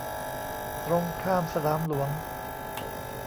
ตรงข้ามสนามหลวง